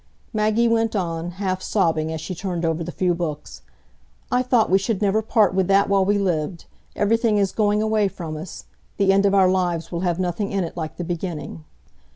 Maggie went on, half sobbing as she turned over the few books, "I thought we should never part with that while we lived; everything is going away from us; the end of our lives will have nothing in it like the beginning!"